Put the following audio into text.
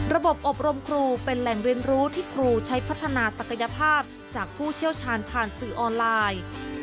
อบรมครูเป็นแหล่งเรียนรู้ที่ครูใช้พัฒนาศักยภาพจากผู้เชี่ยวชาญผ่านสื่อออนไลน์